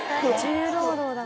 重労働だ。